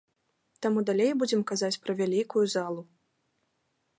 Таму далей будзем казаць пра вялікую залу.